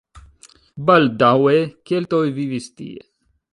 Baldaŭe keltoj vivis tie.